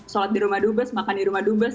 sholat di rumah dubes makan di rumah dubes